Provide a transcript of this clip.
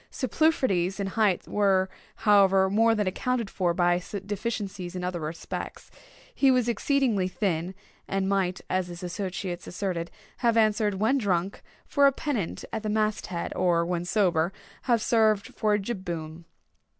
Superfluities in height were, however, more than accounted for by deficiencies in other respects. He was exceedingly thin; and might, as his associates asserted, have answered, when drunk, for a pennant at the mast head, or, when sober, have served for a jib boom.